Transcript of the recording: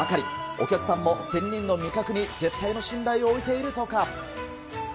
お客さんも仙人の味覚に絶対の信頼を置いているとか。